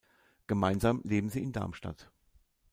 Gemeinsam leben sie in Darmstadt.